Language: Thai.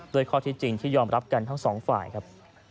ข้อที่จริงที่ยอมรับกันทั้งสองฝ่ายครับ